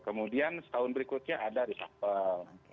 kemudian setahun berikutnya ada reshuffle